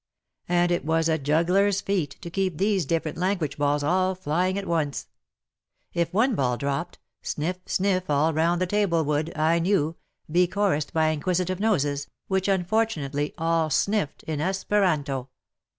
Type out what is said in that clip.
And it was a juggler's feat to keep these different WAR AND WOMEN 141 language balls all flying at once ! If one ball dropped — sniff, sniff all round the table would, I knew, be chorused by inquisitive noses, which unfortunately all sniffed in Esperanto.